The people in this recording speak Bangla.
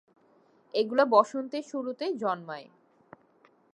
এগুলো বসন্তের শুরুতে জন্মায়।